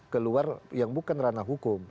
keluar yang bukan ranah hukum